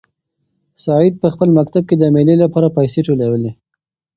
سعید په خپل مکتب کې د مېلې لپاره پیسې ټولولې.